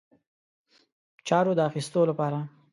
چارو د اخیستلو لپاره.